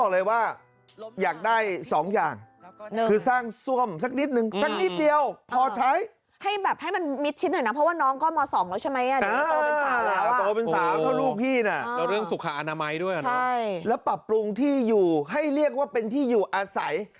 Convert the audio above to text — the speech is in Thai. แล้วปรับปรุงที่อยู่ให้เรียกว่าเป็นที่อยู่อาศัย